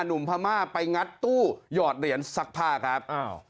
พม่าไปงัดตู้หยอดเหรียญซักผ้าครับ